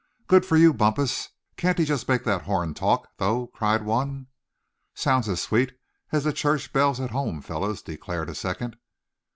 "Good for you, Bumpus! Can't he just make that horn talk, though?" cried one. "Sounds as sweet as the church bell at home, fellows!" declared a second.